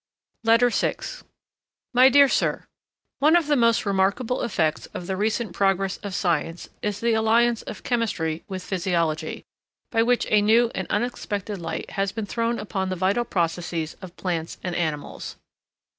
LETTER VI My dear Sir, One of the most remarkable effects of the recent progress of science is the alliance of chemistry with physiology, by which a new and unexpected light has been thrown upon the vital processes of plants and animals.